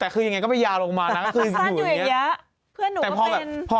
คือยังไงก็ไม่ยาวลงมานะ